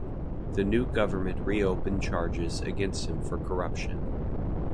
The new government re-opened charges against him for corruption.